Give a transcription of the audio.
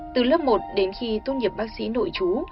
từ lớp một đến khi tốt nghiệp bác sĩ nội chú